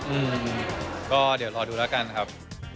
อืมก็เดี๋ยวรอดูแล้วกันครับ